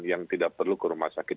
yang tidak perlu ke rumah sakit